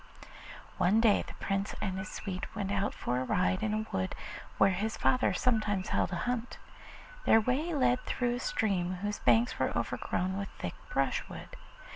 One day the Prince and his suite went out for a ride in a wood where his father sometimes held a hunt. Their way led through a stream whose banks were overgrown with thick brushwood.